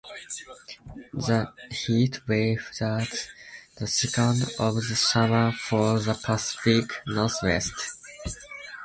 The heat wave was the second of the summer for the Pacific Northwest.